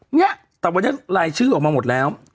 เนี่ยแต่วันนี้รายชื่อออกมาหมดแล้ว